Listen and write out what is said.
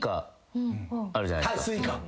あるじゃないっすか。